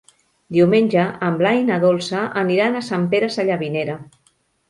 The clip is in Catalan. Diumenge en Blai i na Dolça aniran a Sant Pere Sallavinera.